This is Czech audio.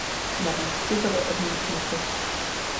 Nabídky byly odmítnuty.